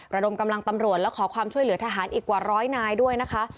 ระดมกำลังตำรวจและขอความช่วยเหลือทหารอีกกว่าร้อยนายด้วยนะคะ